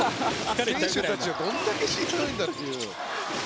選手たちはどれだけしんどいんだという。